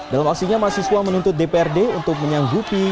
dalam aksinya mahasiswa menuntut dprd untuk menyanggupi